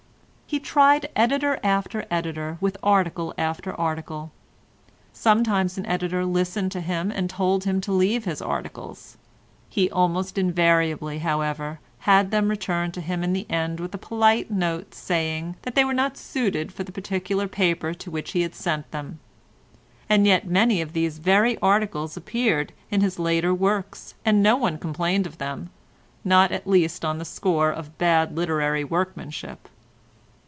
He tried editor after editor with article after article. Sometimes an editor listened to him and told him to leave his articles; he almost invariably, however, had them returned to him in the end with a polite note saying that they were not suited for the particular paper to which he had sent them. And yet many of these very articles appeared in his later works, and no one complained of them, not at least on the score of bad literary workmanship.